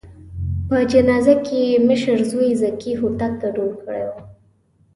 په جنازه کې یې مشر زوی ذکي هوتک ګډون کړی و.